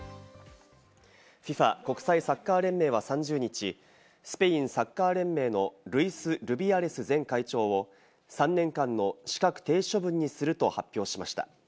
ＦＩＦＡ＝国際サッカー連盟は３０日、スペインサッカー連盟のルイス・ルビアレス前会長を３年間の資格停止処分にすると発表しました。